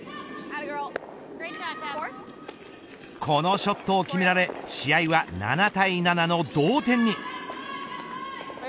このショットを決められ試合は７対７の同点に。